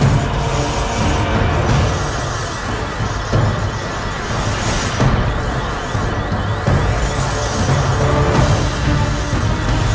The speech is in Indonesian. tapi sampai kau metalik